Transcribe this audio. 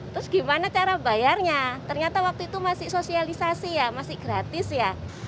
terus gimana cara bayarnya ternyata waktu itu masih sosialisasi ya masih gratis ya